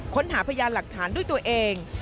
ค้นหาพยานหลักฐานด้วยตัวเอง